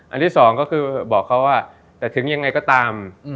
ที่สองก็คือบอกเขาว่าแต่ถึงยังไงก็ตาม